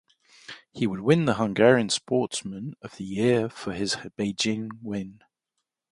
He would win the Hungarian Sportsman of The Year for his Beijing win.